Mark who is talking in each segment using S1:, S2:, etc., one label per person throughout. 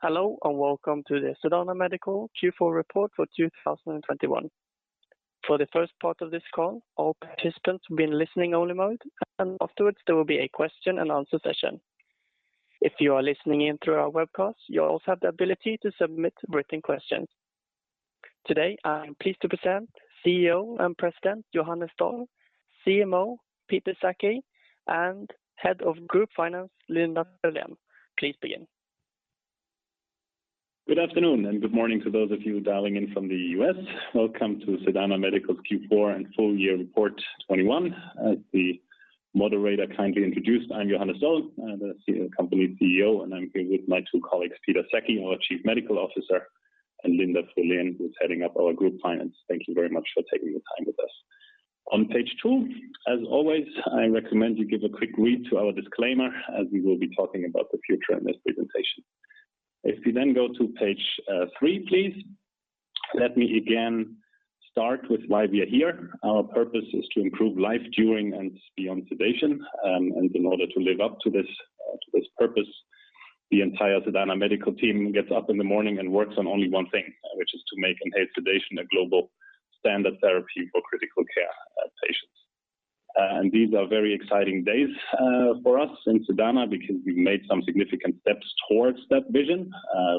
S1: Hello, and welcome to the Sedana Medical Q4 report for 2021. For the first part of this call, all participants will be in listening only mode, and afterwards there will be a question-and-answer session. If you are listening in through our webcast, you also have the ability to submit written questions. Today, I am pleased to present CEO and President Johannes Doll, CMO Peter Sackey, and Head of Group Finance Linda Frölén. Please begin.
S2: Good afternoon, and good morning to those of you dialing in from the U.S. Welcome to Sedana Medical's Q4 and full year report 2021. As the moderator kindly introduced, I'm Johannes Doll. I'm the Sedana Medical CEO, and I'm here with my two colleagues, Peter Sackey, our Chief Medical Officer, and Linda Frölén, who's heading up our Group Finance. Thank you very much for taking the time with us. On page two, as always, I recommend you give a quick read to our disclaimer as we will be talking about the future in this presentation. If you then go to page three, please, let me again start with why we are here. Our purpose is to improve life during and beyond sedation. In order to live up to this purpose, the entire Sedana Medical team gets up in the morning and works on only one thing, which is to make inhaled sedation a global standard therapy for critical care patients. These are very exciting days for us in Sedana because we've made some significant steps towards that vision.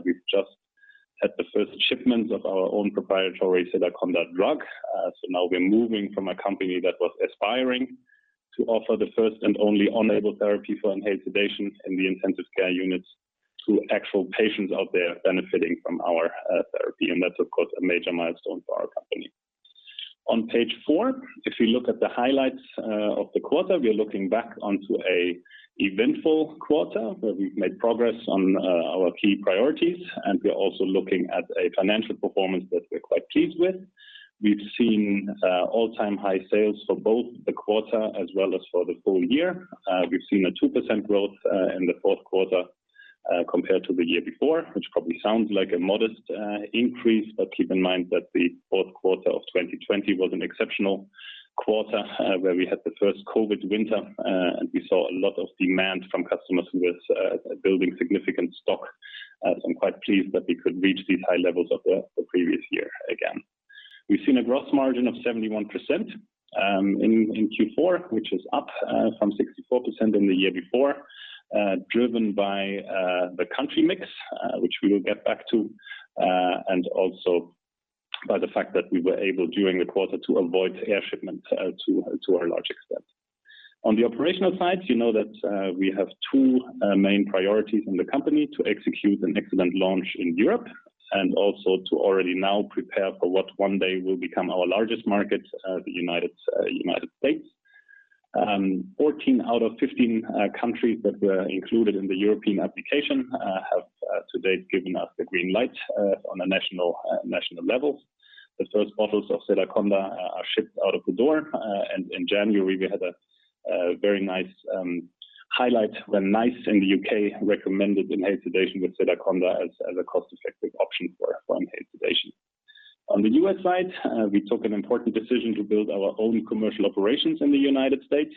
S2: We've just had the first shipment of our own proprietary Sedaconda drug. Now we're moving from a company that was aspiring to offer the first and only enabled therapy for inhaled sedation in the intensive care units to actual patients out there benefiting from our therapy. That's of course a major milestone for our company. On page four, if you look at the highlights of the quarter, we are looking back on to an eventful quarter where we've made progress on our key priorities, and we are also looking at a financial performance that we're quite pleased with. We've seen all-time high sales for both the quarter as well as for the full year. We've seen a 2% growth in the fourth quarter compared to the year before, which probably sounds like a modest increase. But keep in mind that the fourth quarter of 2020 was an exceptional quarter, where we had the first COVID winter, and we saw a lot of demand from customers with building significant stock. So I'm quite pleased that we could reach these high levels of the previous year again. We've seen a gross margin of 71% in Q4, which is up from 64% in the year before, driven by the country mix, which we will get back to, and also by the fact that we were able during the quarter to avoid air shipment to a large extent. On the operational side, you know that we have two main priorities in the company to execute an excellent launch in Europe, and also to already now prepare for what one day will become our largest market, the United States. Fourteen out of 15 countries that were included in the European application have to date given us the green light on a national level. The first bottles of Sedaconda are shipped out of the door. In January, we had a very nice highlight when NICE in the U.K. recommended inhaled sedation with Sedaconda as a cost-effective option for inhaled sedation. On the U.S. side, we took an important decision to build our own commercial operations in the United States.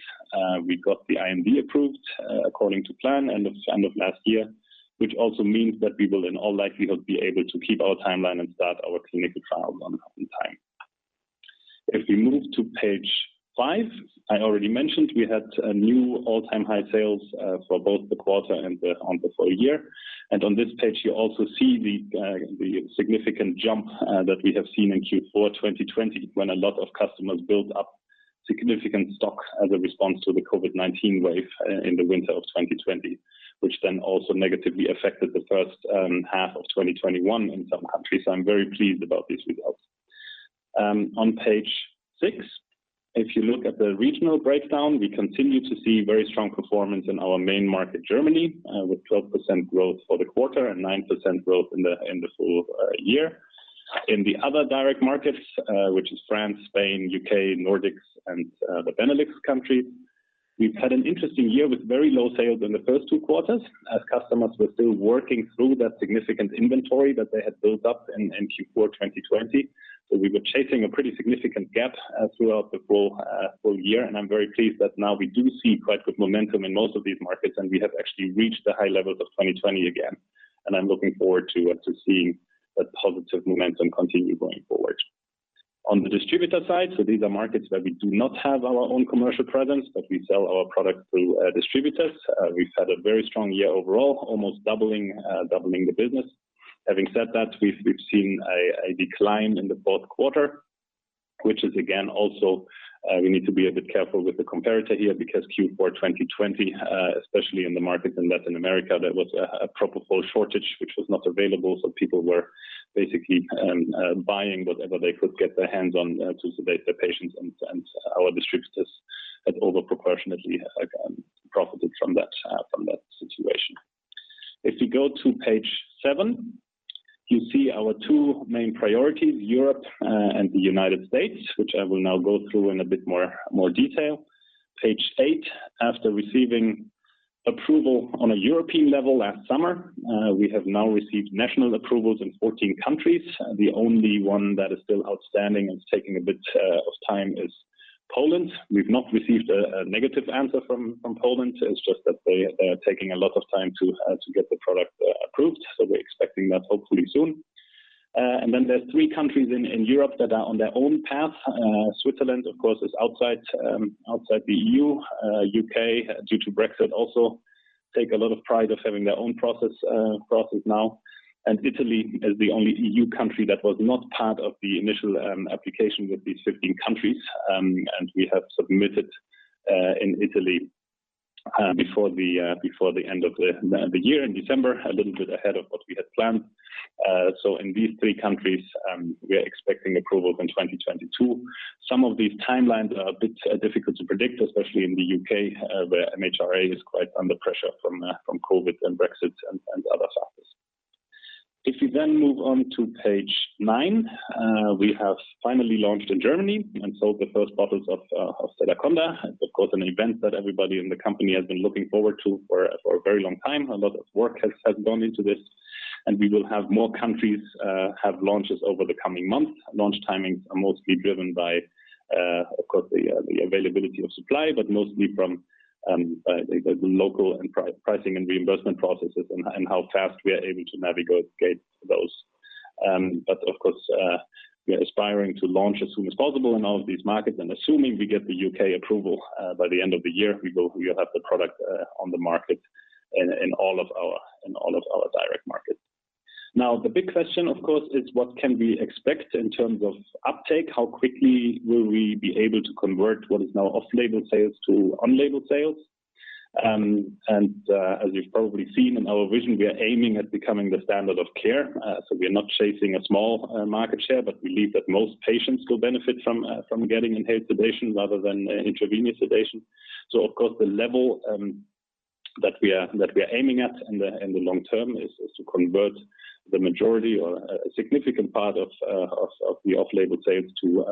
S2: We got the IND approved according to plan end of last year, which also means that we will in all likelihood be able to keep our timeline and start our clinical trials on time. If we move to page five, I already mentioned we had a new all-time high sales for both the quarter and on the full year. On this page you also see the significant jump that we have seen in Q4 2020 when a lot of customers built up significant stock as a response to the COVID-19 wave in the winter of 2020, which then also negatively affected the first half of 2021 in some countries. I'm very pleased about these results. On page six, if you look at the regional breakdown, we continue to see very strong performance in our main market, Germany, with 12% growth for the quarter and 9% growth in the full year. In the other direct markets, which is France, Spain, U.K., Nordics, and the Benelux countries, we've had an interesting year with very low sales in the first two quarters as customers were still working through that significant inventory that they had built up in Q4 2020. We were chasing a pretty significant gap throughout the full year. I'm very pleased that now we do see quite good momentum in most of these markets, and we have actually reached the high levels of 2020 again. I'm looking forward to seeing that positive momentum continue going forward. On the distributor side, these are markets where we do not have our own commercial presence, but we sell our product through distributors. We've had a very strong year overall, almost doubling the business. Having said that, we've seen a decline in the fourth quarter, which is again also we need to be a bit careful with the comparator here because Q4 2020 especially in the markets in Latin America, there was a propofol shortage which was not available, so people were basically buying whatever they could get their hands on to sedate their patients. Our distributors had over proportionately profited from that situation. If you go to page seven, you see our two main priorities, Europe and the United States, which I will now go through in a bit more detail. Page eight, after receiving approval on a European level last summer, we have now received national approvals in 14 countries. The only one that is still outstanding and is taking a bit of time is Poland. We've not received a negative answer from Poland. It's just that they are taking a lot of time to get the product approved. We're expecting that hopefully soon. There's three countries in Europe that are on their own path. Switzerland, of course, is outside the EU. U.K., due to Brexit, also take a lot of pride in having their own process now. Italy is the only EU country that was not part of the initial application with these 15 countries. We have submitted in Italy before the end of the year in December, a little bit ahead of what we had planned. In these three countries, we are expecting approval in 2022. Some of these timelines are a bit difficult to predict, especially in the U.K., where MHRA is quite under pressure from COVID and Brexit and other factors. If you then move on to page nine, we have finally launched in Germany and sold the first bottles of Sedaconda. Of course, an event that everybody in the company has been looking forward to for a very long time. A lot of work has gone into this, and we will have launches over the coming months. Launch timings are mostly driven by, of course, the availability of supply, but mostly from the local and pricing and reimbursement processes and how fast we are able to navigate those. Of course, we are aspiring to launch as soon as possible in all of these markets. Assuming we get the U.K. approval by the end of the year, we will have the product on the market in all of our direct markets. Now, the big question, of course, is what can we expect in terms of uptake? How quickly will we be able to convert what is now off-label sales to on-label sales? As you've probably seen in our vision, we are aiming at becoming the standard of care. We are not chasing a small market share, but we believe that most patients will benefit from getting inhaled sedation rather than intravenous sedation. Of course, the level that we are aiming at in the long term is to convert the majority or a significant part of the off-label sales to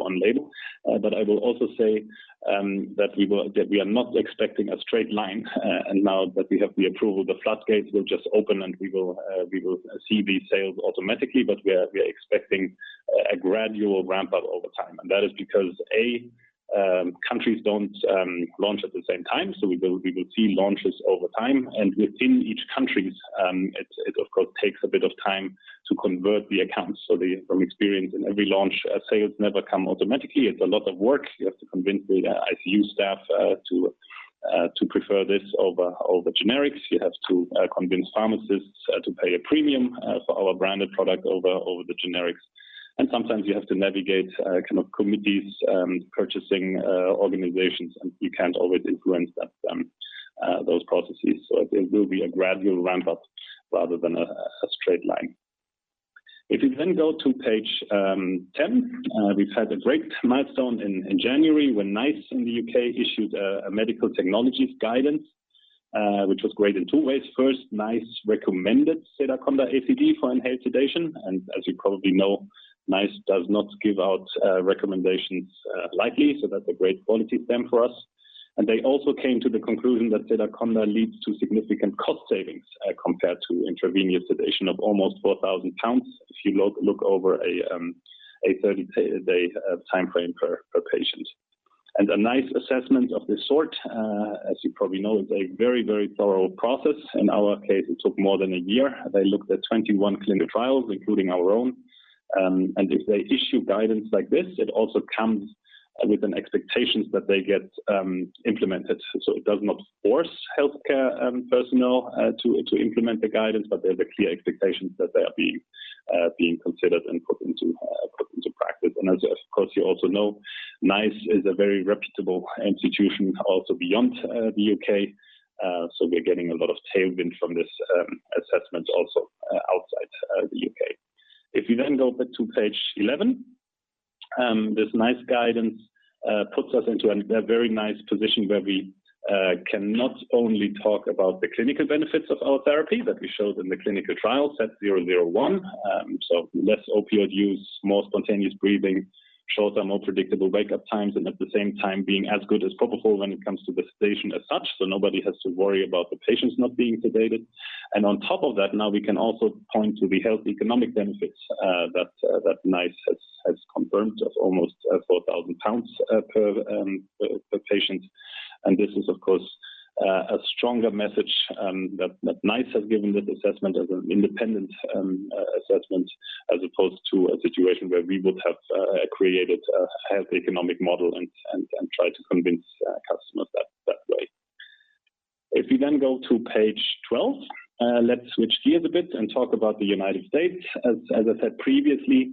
S2: on-label. I will also say that we are not expecting a straight line, and now that we have the approval, the floodgates will just open, and we will see these sales automatically. We are expecting a gradual ramp up over time. That is because, A-countries don't launch at the same time, so we will see launches over time. Within each countries, it of course takes a bit of time to convert the accounts. From experience in every launch, sales never come automatically. It's a lot of work. You have to convince the ICU staff to prefer this over generics. You have to convince pharmacists to pay a premium for our branded product over generics. Sometimes you have to navigate kind of committees, purchasing organizations, and you can't always influence that those processes. It will be a gradual ramp up rather than a straight line. If you then go to page 10, we've had a great milestone in January when NICE in the U.K. issued a medical technologies guidance, which was great in two ways. First, NICE recommended Sedaconda ACD for inhaled sedation. As you probably know, NICE does not give out recommendations lightly, so that's a great quality stamp for us. They also came to the conclusion that Sedaconda leads to significant cost savings, compared to intravenous sedation of almost 4,000 pounds if you look over a 30-day timeframe per patient. A NICE assessment of this sort, as you probably know, is a very thorough process. In our case, it took more than a year. They looked at 21 clinical trials, including our own. If they issue guidance like this, it also comes with an expectation that they get implemented. It does not force healthcare personnel to implement the guidance, but there's a clear expectation that they are being considered and put into practice. As of course, you also know, NICE is a very reputable institution also beyond the U.K. We're getting a lot of tailwind from this assessment also outside the U.K. If you then go to page 11, this NICE guidance puts us into a very nice position where we can not only talk about the clinical benefits of our therapy that we showed in the clinical trial SED-001. Less opioid use, more spontaneous breathing, shorter, more predictable wake-up times, and at the same time being as good as propofol when it comes to the sedation as such, so nobody has to worry about the patients not being sedated. On top of that, now we can also point to the health economic benefits that NICE has confirmed of almost 4,000 pounds per patient. This is, of course, a stronger message that NICE has given this assessment as an independent assessment, as opposed to a situation where we would have created a health economic model and try to convince customers that way. If you then go to page 12, let's switch gears a bit and talk about the United States. As I said previously,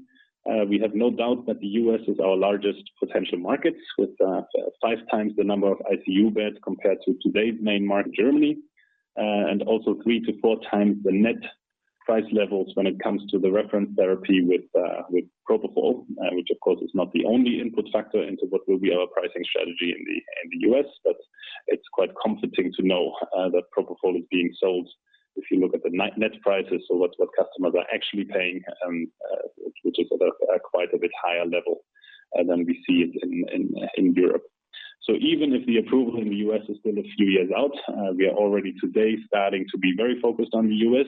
S2: we have no doubt that the U.S. is our largest potential market with five times the number of ICU beds compared to today's main market, Germany. Also three to four times the net price levels when it comes to the reference therapy with propofol, which of course is not the only input factor into what will be our pricing strategy in the U.S. It's quite comforting to know that propofol is being sold if you look at the net-net prices. What customers are actually paying, which is at quite a bit higher level than we see in Europe. Even if the approval in the U.S. is still a few years out, we are already today starting to be very focused on the U.S.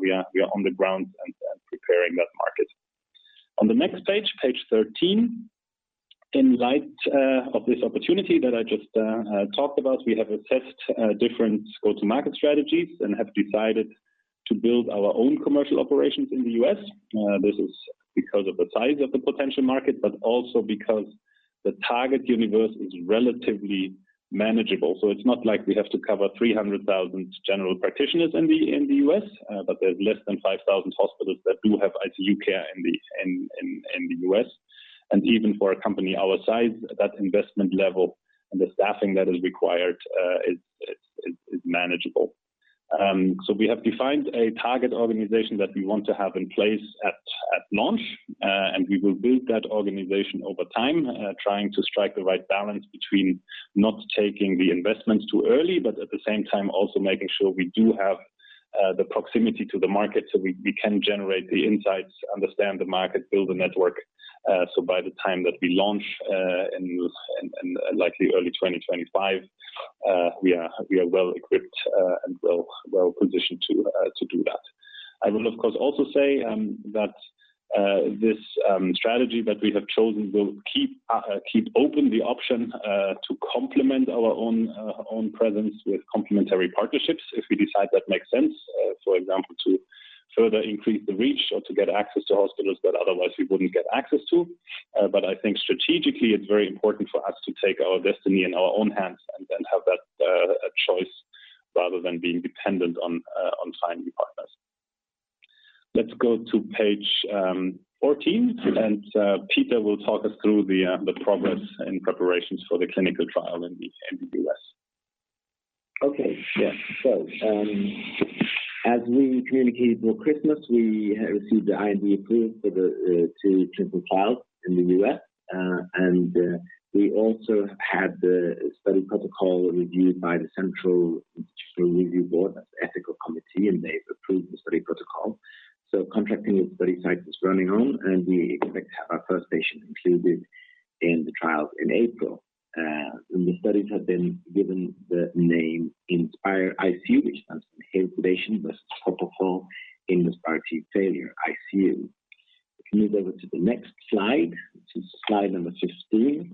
S2: We are on the ground and preparing that market. On the next page 13, in light of this opportunity that I just talked about, we have assessed different go-to-market strategies and have decided to build our own commercial operations in the U.S. This is because of the size of the potential market, but also because the target universe is relatively manageable. It's not like we have to cover 300,000 general practitioners in the U.S., but there's less than 5,000 hospitals that do have ICU care in the U.S. Even for a company our size, that investment level and the staffing that is required is manageable. We have defined a target organization that we want to have in place at launch. We will build that organization over time, trying to strike the right balance between not taking the investments too early, but at the same time, also making sure we do have the proximity to the market so we can generate the insights, understand the market, build the network, so by the time that we launch in likely early 2025, we are well-equipped and well-positioned to do that. I will, of course, also say that this strategy that we have chosen will keep open the option to complement our own presence with complementary partnerships if we decide that makes sense, for example, to further increase the reach or to get access to hospitals that otherwise we wouldn't get access to. I think strategically, it's very important for us to take our destiny in our own hands and then have that choice rather than being dependent on finding partners. Let's go to page 14, and Peter will talk us through the progress and preparations for the clinical trial in the U.S.
S3: Okay. Yeah. As we communicated before Christmas, we have received the IND approval for the two clinical trials in the U.S. We also have had the study protocol reviewed by the central institutional review board, that's the ethical committee, and they've approved the study protocol. Contracting with study sites is running on, and we expect to have our first patient included in the trials in April. The studies have been given the name INSPiRE-ICU, which stands for Inhaled Sedation versus Propofol in Respiratory failure in the ICU. If you move over to the next slide, which is slide number 15.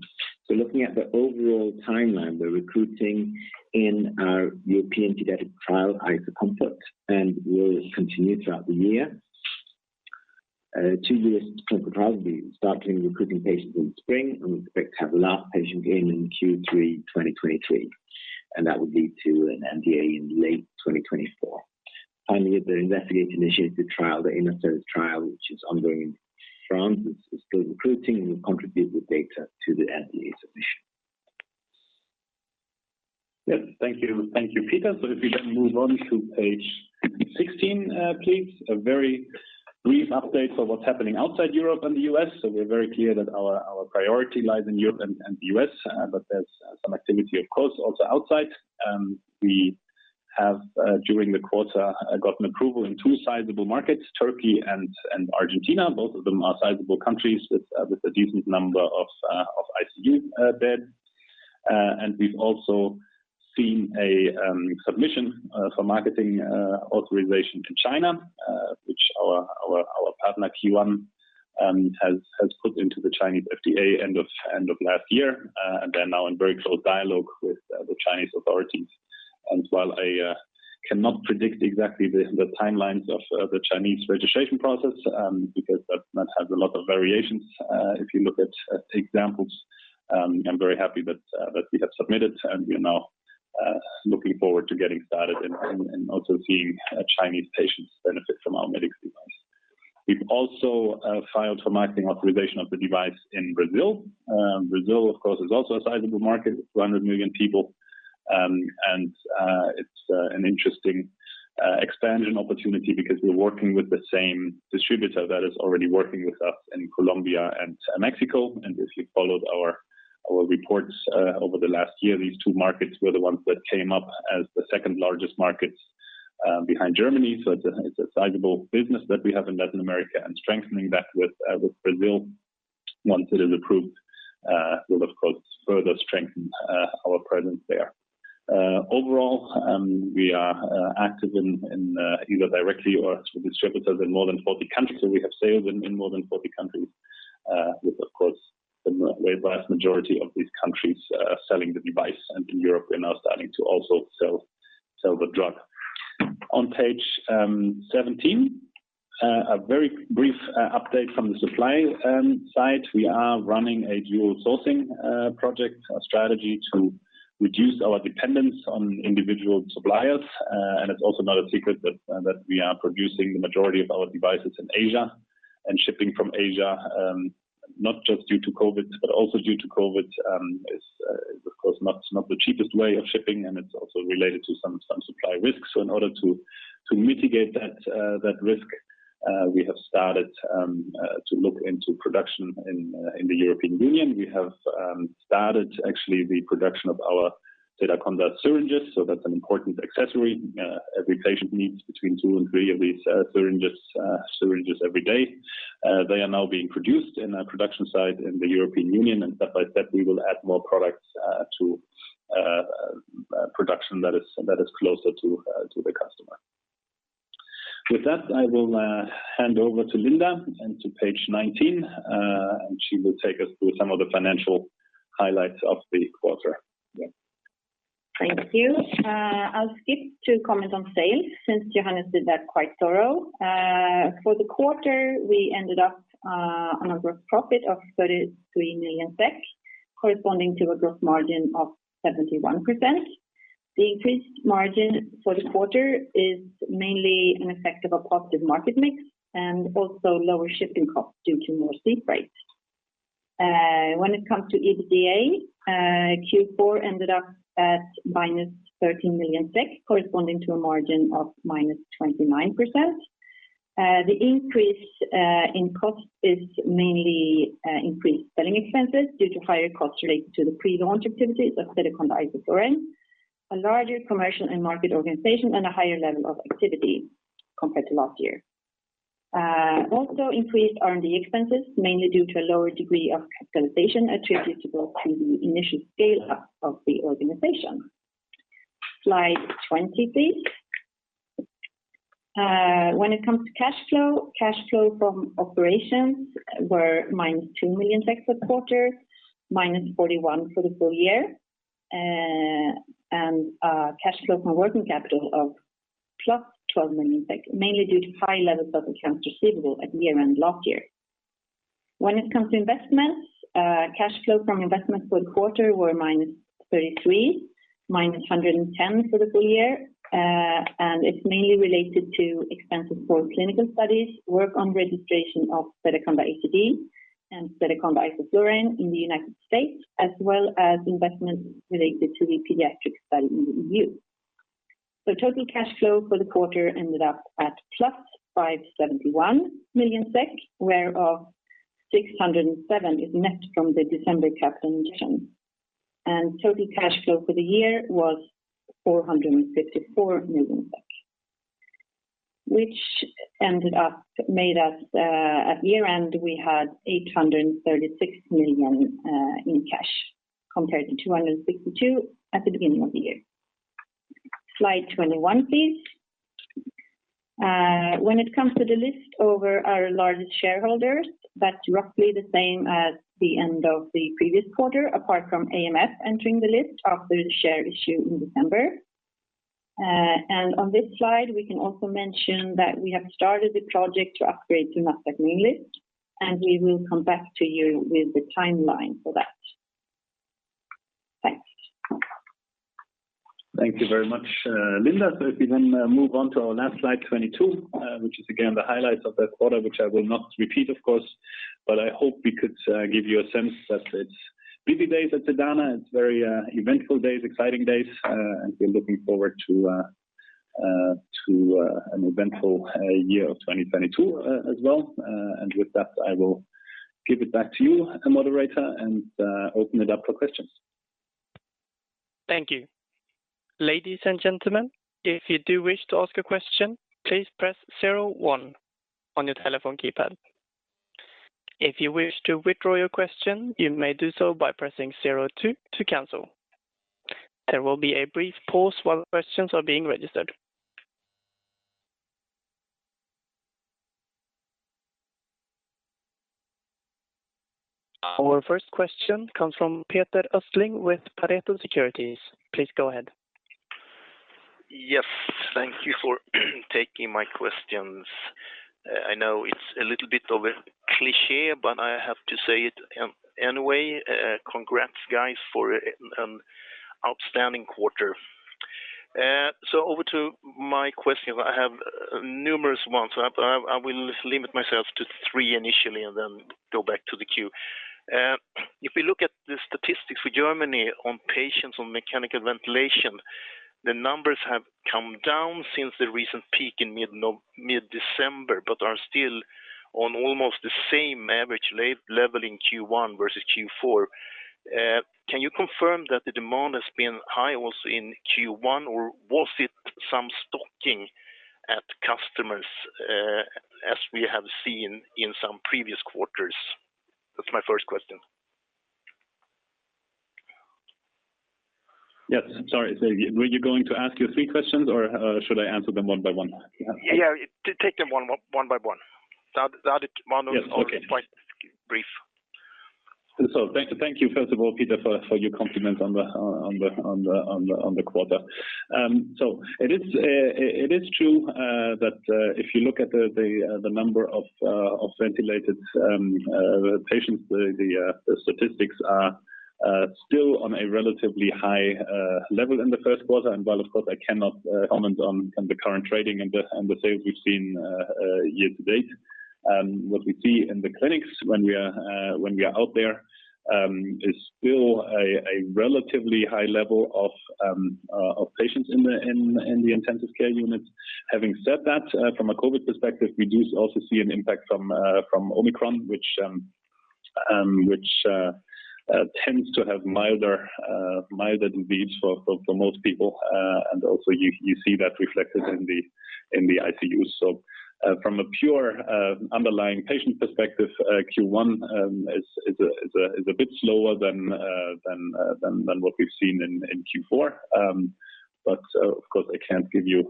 S3: Looking at the overall timeline, we're recruiting in our European pediatric trial, IsoCOMFORT, and will continue throughout the year. Two U.S. clinical trials will be starting recruiting patients in spring, and we expect to have the last patient in Q3 2023, and that would lead to an NDA in late 2024. The investigator-initiated trial, the SESAR trial, which is ongoing in France, is still recruiting and will contribute the data to the NDA submission.
S2: Yes. Thank you. Thank you, Peter. If we then move on to page 16, please. A very brief update for what's happening outside Europe and the U.S. We're very clear that our priority lies in Europe and the U.S., but there's some activity, of course, also outside. We have during the quarter gotten approval in two sizable markets, Turkey and Argentina. Both of them are sizable countries with a decent number of ICU beds. And we've also seen a submission for marketing authorization to China, which our partner Kyuan has put into the Chinese FDA end of last year. And they're now in very close dialogue with the Chinese authorities. While I cannot predict exactly the timelines of the Chinese registration process, because that has a lot of variations, if you look at examples, I'm very happy that we have submitted, and we are now looking forward to getting started and also seeing Chinese patients benefit from our medical device. We've also filed for marketing authorization of the device in Brazil. Brazil, of course, is also a sizable market with 200 million people. It's an interesting expansion opportunity because we're working with the same distributor that is already working with us in Colombia and Mexico. If you followed our reports over the last year, these two markets were the ones that came up as the second-largest markets behind Germany. It's a sizable business that we have in Latin America, and strengthening that with Brazil once it is approved will of course further strengthen our presence there. Overall, we are active in either directly or through distributors in more than 40 countries, so we have sales in more than 40 countries, with of course the vast majority of these countries selling the device. In Europe, we're now starting to also sell the drug. On page 17, a very brief update from the supply side. We are running a dual sourcing project, a strategy to reduce our dependence on individual suppliers. It's also not a secret that we are producing the majority of our devices in Asia and shipping from Asia, not just due to COVID, but also due to COVID, of course not the cheapest way of shipping, and it's also related to some supply risks. In order to mitigate that risk, we have started to look into production in the European Union. We have started actually the production of our Sedaconda syringes. So that's an important accessory. Every patient needs between two and three of these syringes every day. They are now being produced in our production site in the European Union, and step-by-step, we will add more products to production that is closer to the customer. With that, I will hand over to Linda and to page 19, and she will take us through some of the financial highlights of the quarter.
S4: Thank you. I'll skip to comment on sales since Johannes did that quite thorough. For the quarter, we ended up on a gross profit of 33 million, corresponding to a gross margin of 71%. The increased margin for the quarter is mainly an effect of a positive market mix and also lower shipping costs due to more sea freight. When it comes to EBITDA, Q4 ended up at -13 million SEK, corresponding to a margin of -29%. The increase in cost is mainly increased selling expenses due to higher costs related to the pre-launch activities of Sedaconda Isoflurane, a larger commercial and market organization, and a higher level of activity compared to last year. Also increased R&D expenses, mainly due to a lower degree of capitalization attributable to the initial scale-up of the organization. Slide 20, please. When it comes to cash flow, cash flow from operations were -2 million per quarter, -41 million for the full year, and cash flow from working capital of 12 million, mainly due to high levels of accounts receivable at year-end last year. When it comes to investments, cash flow from investments for the quarter were -33 million, -110 million for the full year, and it's mainly related to expenses for clinical studies, work on registration of Sedaconda ACD and Sedaconda Isoflurane in the United States, as well as investments related to the pediatric study in the EU. Total cash flow for the quarter ended up at 571 million SEK, whereof 607 is net from the December capital injection. Total cash flow for the year was 454 million, which made us at year-end we had 836 million in cash compared to 262 million at the beginning of the year. Slide 21, please. When it comes to the list over our largest shareholders, that's roughly the same as the end of the previous quarter, apart from AMF entering the list after the share issue in December. On this slide, we can also mention that we have started the project to upgrade to Nasdaq Main Market, and we will come back to you with the timeline for that. Thanks.
S2: Thank you very much, Linda. If we then move on to our last slide 22, which is again the highlights of that quarter, which I will not repeat, of course, but I hope we could give you a sense that it's busy days at Sedana. It's very eventful days, exciting days, and we're looking forward to an eventful year of 2022, as well. With that, I will give it back to you moderator, and open it up for questions.
S1: Thank you. Ladies and gentlemen, if you do wish to ask a question, please press zero one on your telephone keypad. If you wish to withdraw your question, you may do so by pressing zero two to cancel. There will be a brief pause while questions are being registered. Our first question comes from Peter Östling with Pareto Securities. Please go ahead.
S5: Yes. Thank you for taking my questions. I know it's a little bit of a cliché, but I have to say it anyway. Congrats guys, for an outstanding quarter. Over to my question. I have numerous ones. I will limit myself to three initially and then go back to the queue. If we look at the statistics for Germany on patients on mechanical ventilation, the numbers have come down since the recent peak in mid-December, but are still on almost the same average level in Q1 versus Q4. Can you confirm that the demand has been high also in Q1, or was it some stocking at customers, as we have seen in some previous quarters? That's my first question.
S2: Yes. Sorry, were you going to ask your three questions or, should I answer them one by one?
S5: Yeah. Take them one by one. The other two are quite brief.
S2: Thank you, first of all, Peter for your compliment on the quarter. It is true that if you look at the number of ventilated patients, the statistics are still on a relatively high level in the first quarter. While, of course, I cannot comment on the current trading and the sales we've seen year to date, what we see in the clinics when we are out there is still a relatively high level of patients in the intensive care units. Having said that, from a COVID perspective, we do also see an impact from Omicron, which tends to have milder disease for most people. You see that reflected in the ICUs. From a pure underlying patient perspective, Q1 is a bit slower than what we've seen in Q4. Of course, I can't give you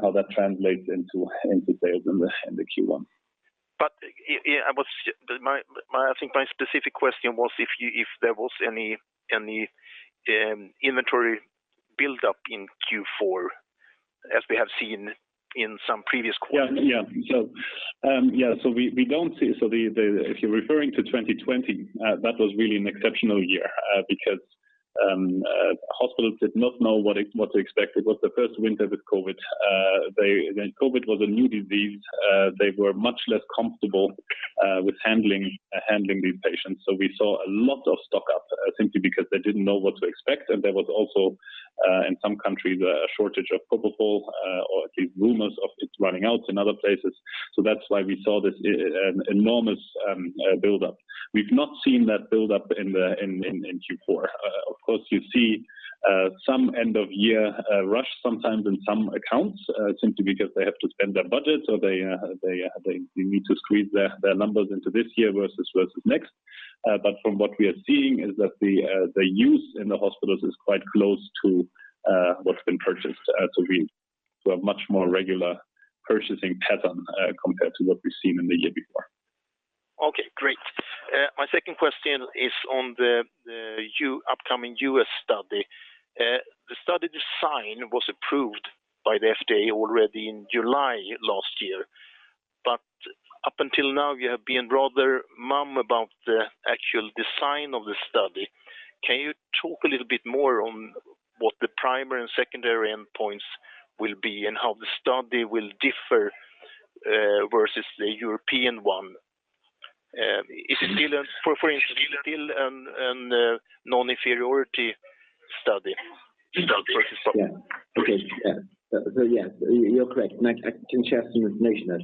S2: how that translates into sales in the Q1.
S5: I think my specific question was if there was any inventory buildup in Q4 as we have seen in some previous quarters.
S2: If you're referring to 2020, that was really an exceptional year because hospitals did not know what to expect. It was the first winter with COVID. COVID was a new disease. They were much less comfortable with handling these patients. We saw a lot of stock up simply because they didn't know what to expect. There was also in some countries a shortage of propofol or at least rumors of it running out in other places. That's why we saw this an enormous buildup. We've not seen that buildup in Q4. Of course, you see some end of year rush sometimes in some accounts, simply because they have to spend their budget, so they need to squeeze their numbers into this year versus next. From what we are seeing is that the use in the hospitals is quite close to what's been purchased. We have much more regular purchasing pattern compared to what we've seen in the year before.
S5: Okay. Great. My second question is on the upcoming U.S. study. The study design was approved by the FDA already in July last year. Up until now, you have been rather mum about the actual design of the study. Can you talk a little bit more on what the primary and secondary endpoints will be and how the study will differ versus the European one? For instance, is it still a non-inferiority study versus-
S3: You're correct. I can share some information there.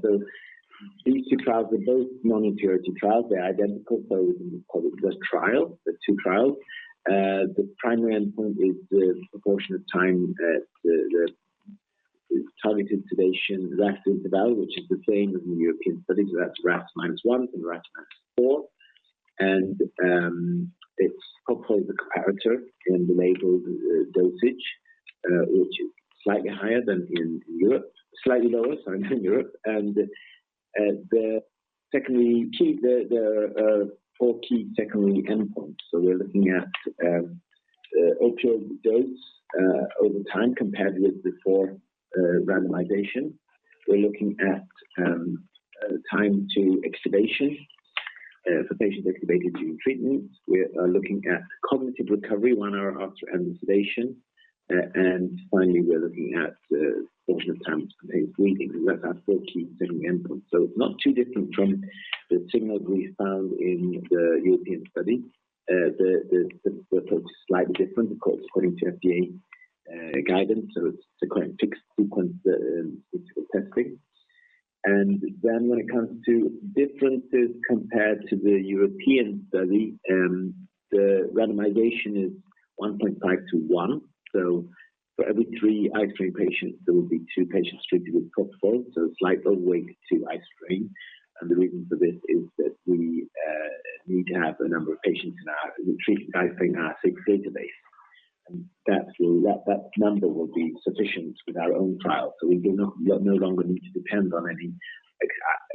S3: These two trials are both non-inferiority trials. They're identical, so we can call it just trial, the two trials. The primary endpoint is the proportion of time, the targeted sedation RASS interval, which is the same as in the European studies. That's RASS minus one and RASS minus four. It's hopefully the comparator in the label, the dosage, which is slightly lower, sorry, than Europe. The four key secondary endpoints. We're looking at opioid dose over time compared with before randomization. We're looking at time to extubation for patients extubated during treatment. We are looking at cognitive recovery one hour after anesthesia. Finally, we're looking at proportion of time to pain-free. We have our four key secondary endpoints. It's not too different from the signals we found in the European study. The approach is slightly different, of course, according to FDA guidance. It's a quite fixed sequence testing. When it comes to differences compared to the European study, the randomization is 1.5 to 1. For every three isoflurane patients, there will be two patients treated with propofol. A slight overweight to isoflurane. The reason for this is that we need to have a number of patients in our safety database. We treat isoflurane in our safety database, and that number will be sufficient with our own trial. We no longer need to depend on any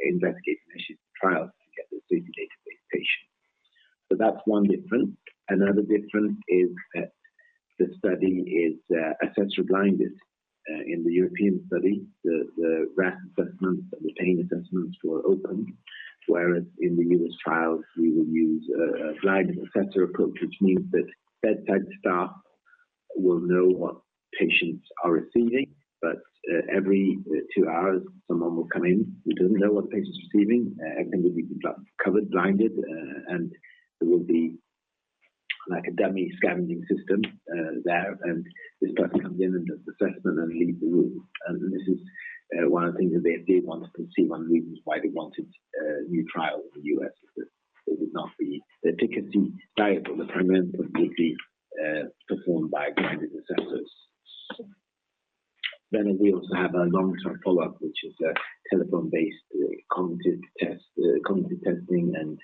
S3: investigator-initiated trials to get the safety database patients. That's one difference. Another difference is that the study is assessor blinded. In the European study, the RASS assessments and the pain assessments were open. Whereas in the U.S. trials, we will use a blinded assessor approach, which means that bedside staff will know what patients are receiving. Every two hours, someone will come in who doesn't know what the patient's receiving. Everything will be covered, blinded, and there will be like a dummy Sedaconda system there. This person comes in and does assessment and leaves the room. This is one of the things that they did want to see, one of the reasons why they wanted a new trial in the U.S., is that the efficacy trial, the primary endpoint would be performed by blinded assessors. We also have a long-term follow-up, which is a telephone-based cognitive test, cognitive testing and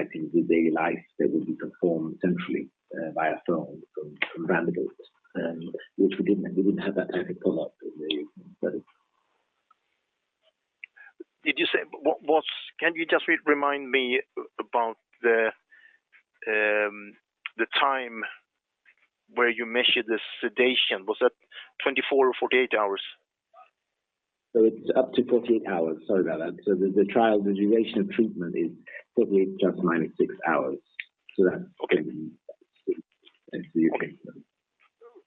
S3: activities of daily living that will be performed centrally via phone from randomate, which we didn't have that type of follow-up in the study.
S5: Can you just remind me about the time where you measured the sedation? Was that 24 or 48 hours?
S3: It's up to 48 hours. Sorry about that. The trial, the duration of treatment is 48 ± 6 hours.
S5: Okay.
S3: The same as the U.K.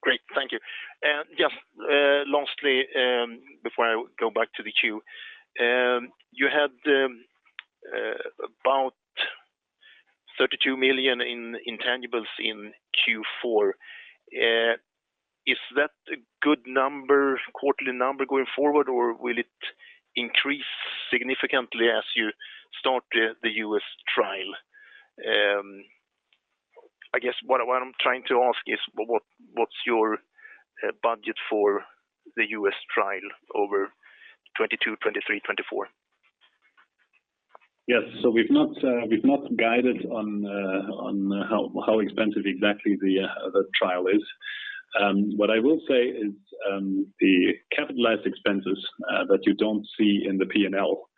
S5: Great. Thank you. Just lastly, before I go back to the queue, you had about 32 million in intangibles in Q4. Is that a good number, quarterly number going forward, or will it increase significantly as you start the U.S. trial? I guess what I'm trying to ask is what's your budget for the U.S. trial over 2022, 2023, 2024?
S2: Yes. We've not guided on how expensive exactly the trial is. What I will say is, the capitalized expenses that you don't see in the P&L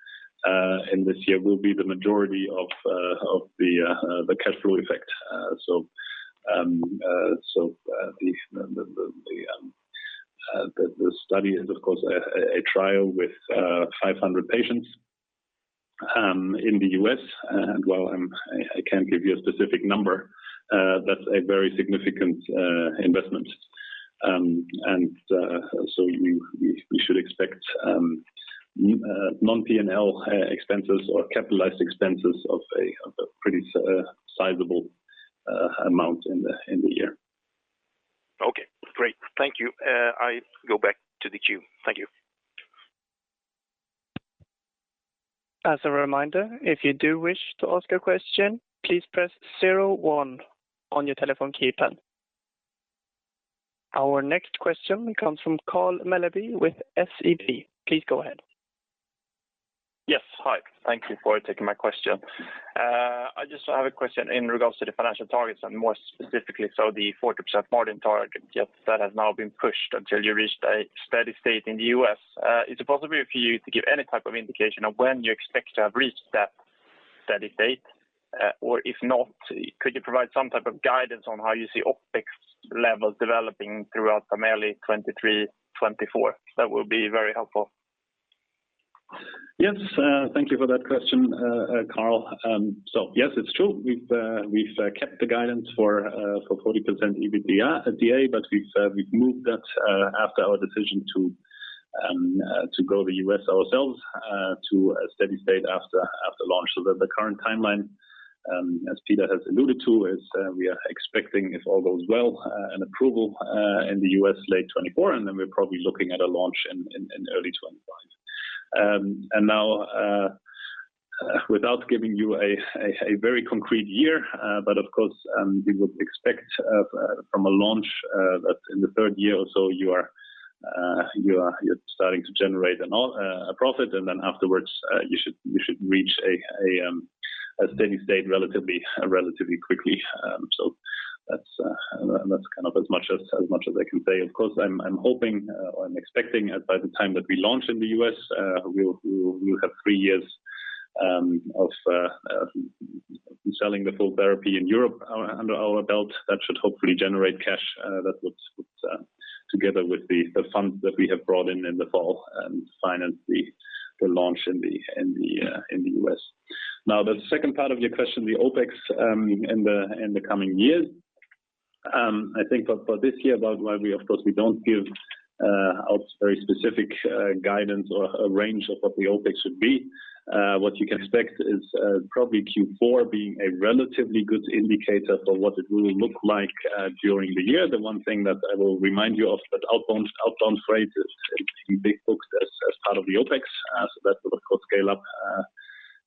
S2: in this year will be the majority of the cash flow effect. The study is of course a trial with 500 patients in the U.S. While I can't give you a specific number, that's a very significant investment. We should expect non-P&L expenses or capitalized expenses of a pretty sizable amount in the year.
S5: Okay, great. Thank you. I go back to the queue. Thank you.
S1: As a reminder, if you do wish to ask a question, please press 01 on your telephone keypad. Our next question comes from Carl Melldahl with SEB. Please go ahead.
S6: Yes. Hi. Thank you for taking my question. I just have a question in regards to the financial targets and more specifically, the 40% margin target. Yes. That has now been pushed until you reached a steady state in the U.S. Is it possible for you to give any type of indication of when you expect to have reached that steady state? Or if not, could you provide some type of guidance on how you see OpEx levels developing throughout primarily 2023, 2024? That would be very helpful.
S2: Yes. Thank you for that question, Carl. Yes, it's true. We've kept the guidance for 40% EBITDA, but we've moved that after our decision to go to the U.S. ourselves to a steady state after launch. That the current timeline, as Peter has alluded to, is we are expecting, if all goes well, an approval in the U.S. late 2024. Then we're probably looking at a launch in early 2025. Now, without giving you a very concrete year, but of course, we would expect from a launch that in the third year or so you're starting to generate a profit, and then afterwards, you should reach a steady state relatively quickly. That's kind of as much as I can say. Of course, I'm hoping or I'm expecting by the time that we launch in the U.S., we'll have three years of selling the full therapy in Europe under our belt. That should hopefully generate cash that would put together with the funds that we have brought in in the fall and finance the launch in the U.S. Now, the second part of your question, the OpEx in the coming years, I think for this year, well we of course don't give out very specific guidance or a range of what the OpEx should be. What you can expect is probably Q4 being a relatively good indicator for what it will look like during the year. The one thing that I will remind you of that outbound freight is pretty big booked as part of the OpEx. That will of course scale up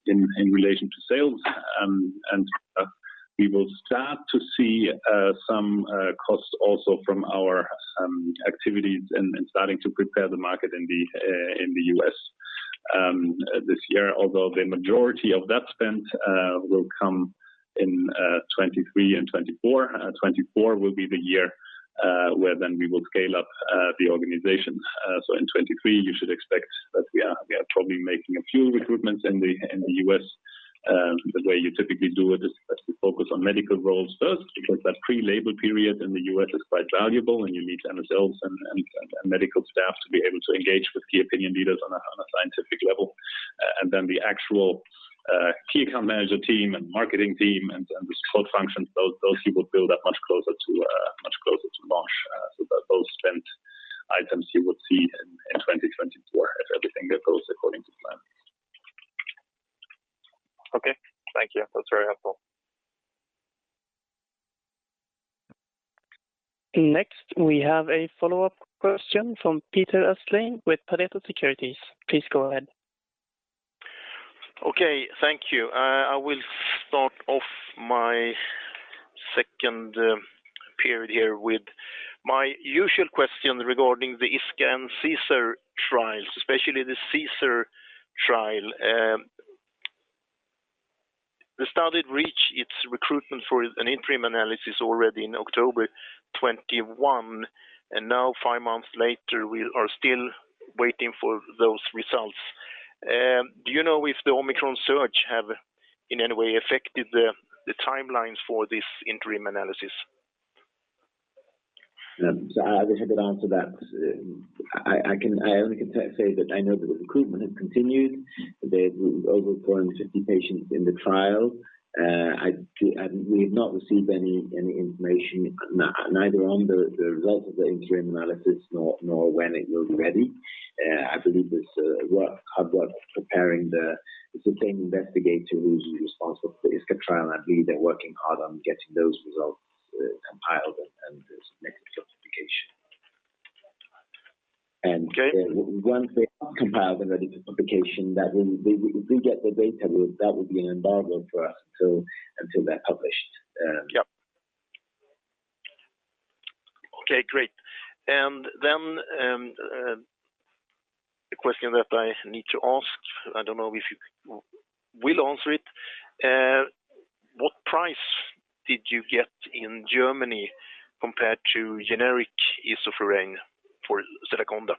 S2: in relation to sales. We will start to see some costs also from our activities and starting to prepare the market in the U.S. this year. Although the majority of that spend will come in 2023 and 2024. 2024 will be the year where then we will scale up the organization. In 2023 you should expect that we are probably making a few recruitments in the U.S. The way you typically do it is that we focus on medical roles first, because that pre-label period in the U.S. is quite valuable and you need MSLs and medical staff to be able to engage with key opinion leaders on a scientific level. The actual key account manager team and marketing team and risk code functions, those people build up much closer to launch. Those spend items you would see in 2024 if everything goes according to plan.
S6: Okay. Thank you. That's very helpful.
S1: Next, we have a follow-up question from Peter Östling with Pareto Securities. Please go ahead.
S5: Okay, thank you. I will start off my second period here with my usual question regarding the ISCA and CAESAR trials, especially the CAESAR trial. The study reached its recruitment for an interim analysis already in October 2021, and now five months later, we are still waiting for those results. Do you know if the Omicron surge have in any way affected the timelines for this interim analysis?
S3: I wish I could answer that. I can only say that I know that the recruitment has continued. There's over 450 patients in the trial. We have not received any information, neither on the result of the interim analysis nor when it will be ready. It's the same investigator who's responsible for the ISCA trial, and I believe they're working hard on getting those results compiled and submitted. Once they have compiled the publication that we get the data, that would be an embargo for us until they're published.
S5: Yeah. Okay, great. The question that I need to ask, I don't know if you will answer it, what price did you get in Germany compared to generic isoflurane for Sedaconda?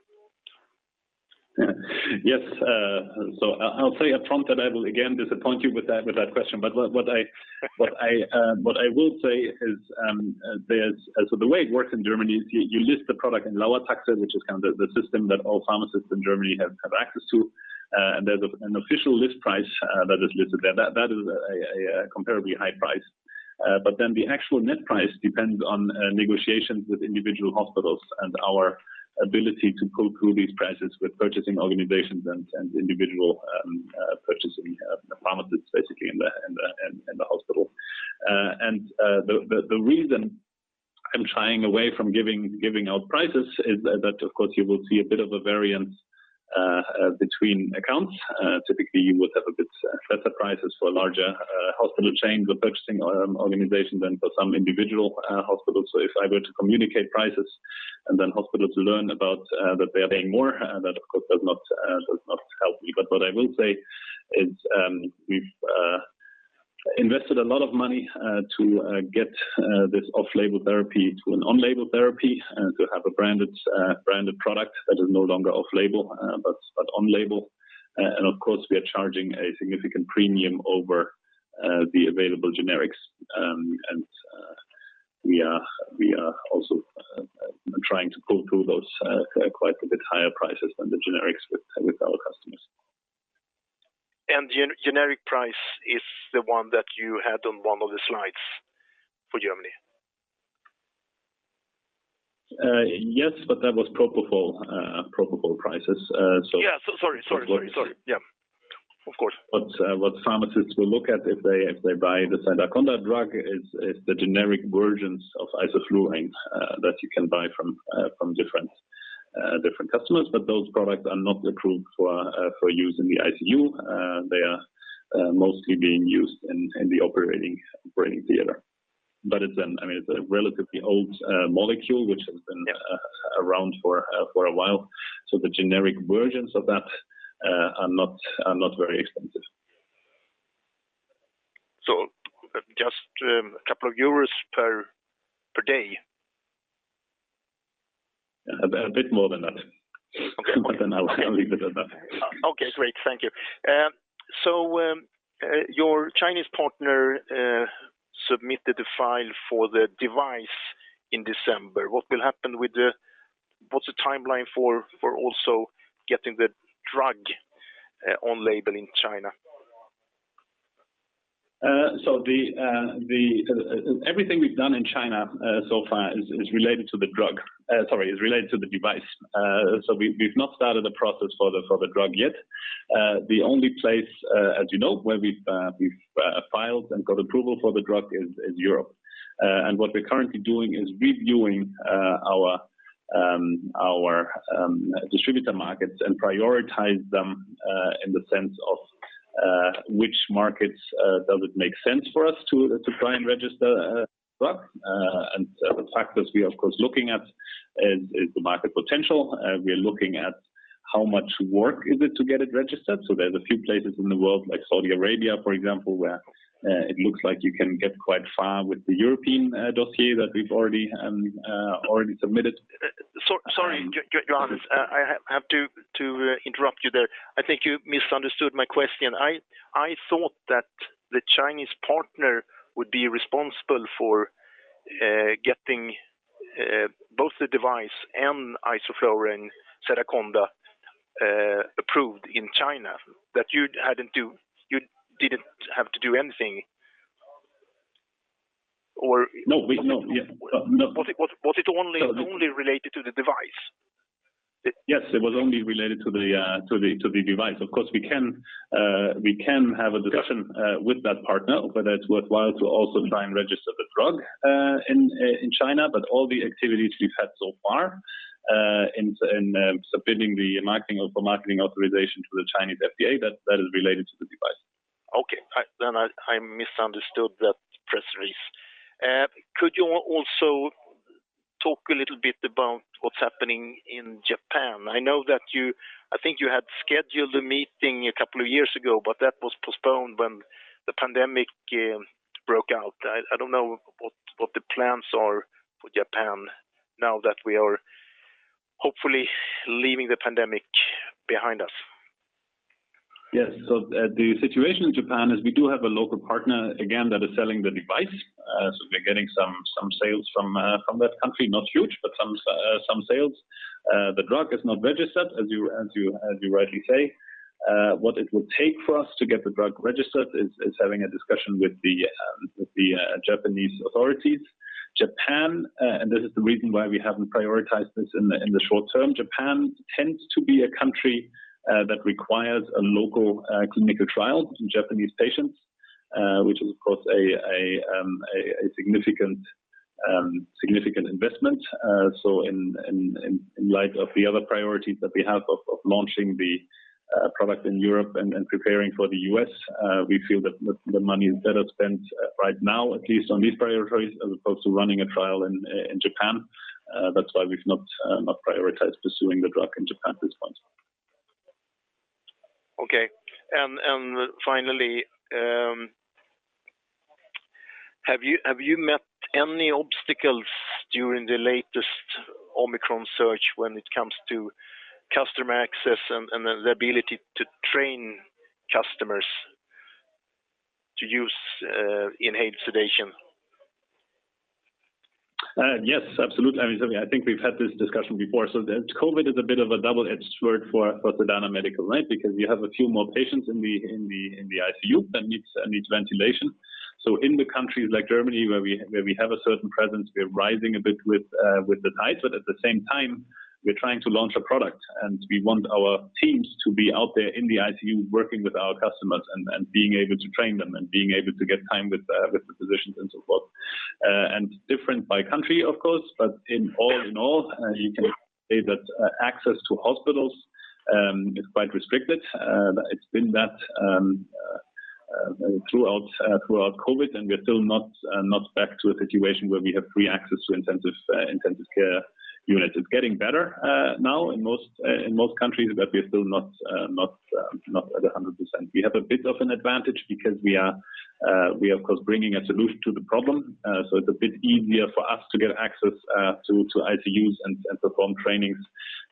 S2: Yes. I'll say up front that I will again disappoint you with that question. What I will say is, there's the way it works in Germany is you list the product in Lauer-Taxe, which is kind of the system that all pharmacists in Germany have access to. There's an official list price that is listed there. That is a comparably high price. Then the actual net price depends on negotiations with individual hospitals and our ability to pull through these prices with purchasing organizations and individual purchasing pharmacists basically in the hospital. The reason I'm shying away from giving out prices is that, of course, you will see a bit of a variance between accounts. Typically, you would have a bit better prices for larger hospital chains or purchasing organizations than for some individual hospitals. If I were to communicate prices and then hospitals learn about that they are paying more, that of course does not help me. What I will say is we've invested a lot of money to get this off-label therapy to an on-label therapy and to have a branded product that is no longer off label, but on label. Of course, we are charging a significant premium over the available generics. We are also trying to pull through those quite a bit higher prices than the generics with our customers.
S5: Generic price is the one that you had on one of the slides for Germany.
S2: Yes, but that was propofol prices.
S5: Yeah. Sorry. Yeah. Of course.
S2: What pharmacists will look at if they buy the Sedaconda drug is the generic versions of isoflurane that you can buy from different customers. Those products are not approved for use in the ICU. They are mostly being used in the operating theater. I mean, it's a relatively old molecule which has been
S5: Yeah
S2: Around for a while. The generic versions of that are not very expensive.
S5: Just a couple of euros per day.
S2: A bit more than that.
S5: Okay.
S2: I'll leave it at that.
S5: Okay, great. Thank you. Your Chinese partner submitted the file for the device in December. What's the timeline for also getting the drug on label in China?
S2: Everything we've done in China so far is related to the device. We've not started the process for the drug yet. The only place, as you know, where we've filed and got approval for the drug is Europe. What we're currently doing is reviewing our distributor markets and prioritize them in the sense of which markets does it make sense for us to try and register a drug. The factors we are of course looking at is the market potential. We are looking at how much work is it to get it registered. There's a few places in the world like Saudi Arabia, for example, where it looks like you can get quite far with the European dossier that we've already submitted.
S5: Sorry, Johannes, I have to interrupt you there. I think you misunderstood my question. I thought that the Chinese partner would be responsible for getting both the device and isoflurane Sedaconda approved in China. That you didn't have to do anything or
S2: No. Yeah. No.
S5: Was it only related to the device?
S2: Yes, it was only related to the device. Of course, we can have a discussion with that partner, whether it's worthwhile to also try and register the drug in China. All the activities we've had so far in submitting for marketing authorization to the Chinese FDA, that is related to the device.
S5: Okay. I misunderstood that press release. Could you also talk a little bit about what's happening in Japan? I know that I think you had scheduled a meeting a couple of years ago, but that was postponed when the pandemic broke out. I don't know what the plans are for Japan now that we are hopefully leaving the pandemic behind us.
S2: Yes. The situation in Japan is we do have a local partner, again, that is selling the device. We're getting some sales from that country. Not huge, but some sales. The drug is not registered, as you rightly say. What it will take for us to get the drug registered is having a discussion with the Japanese authorities. Japan and this is the reason why we haven't prioritized this in the short term. Japan tends to be a country that requires a local clinical trial in Japanese patients. Which is of course a significant investment. In light of the other priorities that we have of launching the product in Europe and preparing for the U.S., we feel that the money is better spent right now at least on these priorities as opposed to running a trial in Japan. That's why we've not prioritized pursuing the drug in Japan at this point.
S5: Okay. Finally, have you met any obstacles during the latest Omicron surge when it comes to customer access and the ability to train customers to use inhaled sedation?
S2: Yes, absolutely. I mean, I think we've had this discussion before. The COVID is a bit of a double-edged sword for Sedana Medical, right? Because we have a few more patients in the ICU that needs ventilation. In the countries like Germany where we have a certain presence, we are rising a bit with the tides. At the same time, we're trying to launch a product, and we want our teams to be out there in the ICU working with our customers and being able to train them and being able to get time with the physicians and so forth. Different by country of course, but in all, you can say that access to hospitals is quite restricted. It's been that throughout COVID, and we're still not back to a situation where we have free access to intensive care units. It's getting better now in most countries, but we're still not at 100%. We have a bit of an advantage because we are of course bringing a solution to the problem. It's a bit easier for us to get access to ICUs and perform trainings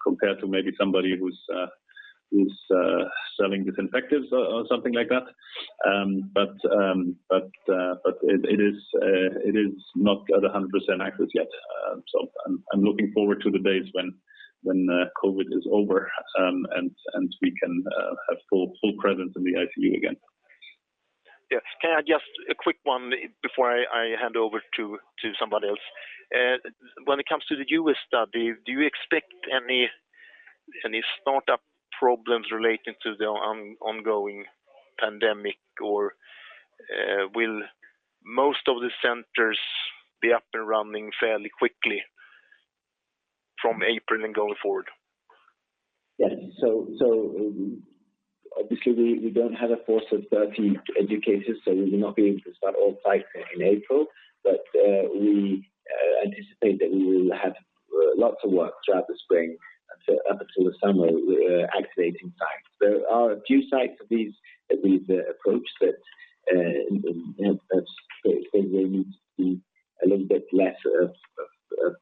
S2: compared to maybe somebody who's selling disinfectants or something like that. It is not at 100% access yet. I'm looking forward to the days when COVID is over, and we can have full presence in the ICU again.
S5: Yes. Can I just a quick one before I hand over to somebody else. When it comes to the U.S. study, do you expect any startup problems relating to the ongoing pandemic, or will most of the centers be up and running fairly quickly from April and going forward?
S3: Yes. Obviously we don't have a force of 30 educators, so we will not be able to start all sites in April. We anticipate that we will have lots of work throughout the spring up until the summer, activating sites. There are a few sites with this approach that I think they need to see a little bit less of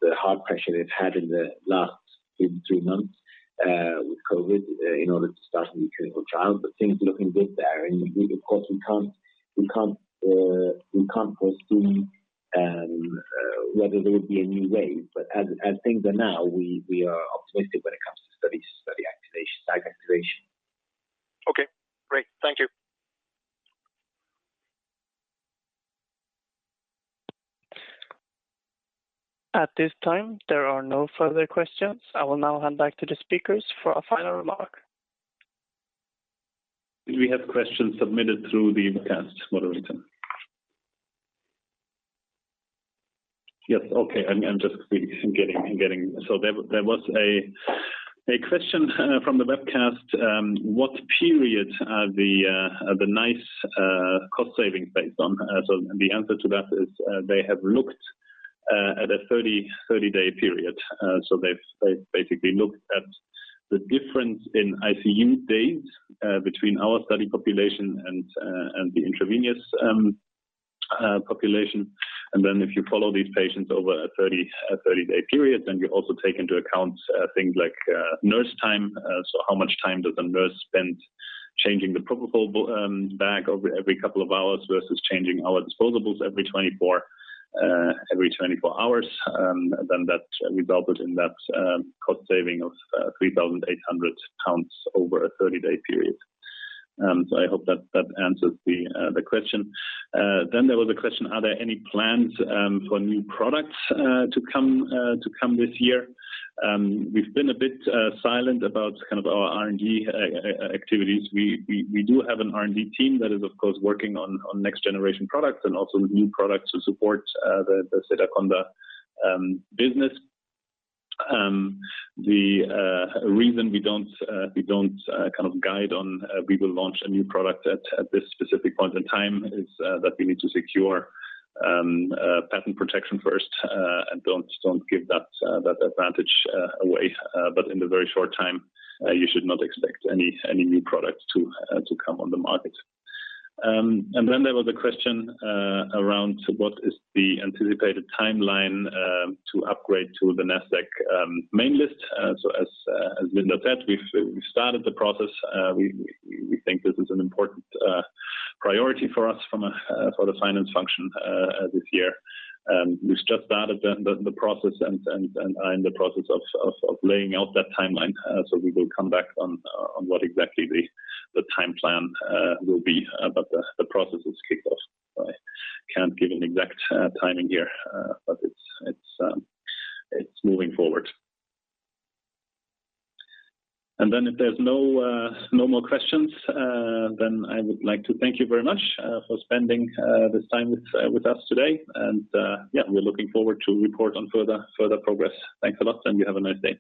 S3: the hard pressure they've had in the last maybe three months with COVID in order to start the new clinical trials. Things are looking good there. Of course, we can't postpone whether there will be a new wave. As things are now, we are optimistic when it comes to studies, study activation, site activation.
S5: Okay, great. Thank you.
S1: At this time, there are no further questions. I will now hand back to the speakers for a final remark.
S2: Do we have questions submitted through the webcast moderator? Yes. Okay. There was a question from the webcast, what period are the NICE cost savings based on? The answer to that is, they have looked at a 30-day period. They've basically looked at the difference in ICU days between our study population and the intravenous population. If you follow these patients over a 30-day period, you also take into account things like nurse time. How much time does a nurse spend changing the propofol bag every couple of hours versus changing our disposables every 24 hours. That resulted in that cost saving of 3,800 pounds over a 30-day period. I hope that that answers the question. There was a question, are there any plans for new products to come this year? We've been a bit silent about kind of our R&D activities. We do have an R&D team that is of course working on next generation products and also with new products to support the Sedaconda business. The reason we don't kind of guide on when we will launch a new product at this specific point in time is that we need to secure patent protection first and don't give that advantage away. In the very short time, you should not expect any new products to come on the market. There was a question around what is the anticipated timeline to upgrade to the Nasdaq main list. As Linda said, we've started the process. We think this is an important priority for us for the finance function this year. We've just started the process and are in the process of laying out that timeline. We will come back on what exactly the time plan will be. The process is kicked off. I can't give an exact timing here, but it's moving forward. If there's no more questions, then I would like to thank you very much for spending this time with us today. Yeah, we're looking forward to report on further progress. Thanks a lot, and you have a nice day.